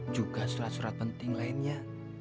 juga surat surat penting lainnya